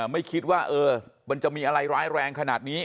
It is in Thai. ไม่คิดว่ามันจะมีอะไรร้ายแรงขนาดนี้